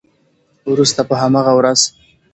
وروسته په همغه ورځ